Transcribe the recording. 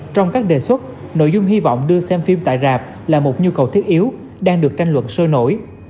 trong các đề xuất nội dung hy vọng đưa xem phim tại rạp là một nhu cầu thiết yếu đang được tranh luận sôi nổi